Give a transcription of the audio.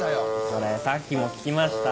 それさっきも聞きました。